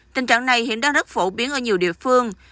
tình trạng này hiện đang rất phổ biến ở nhiều địa phương